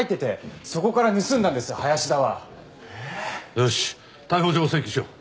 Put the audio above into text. よし逮捕状を請求しよう。